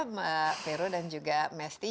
ma'am pero dan juga mesty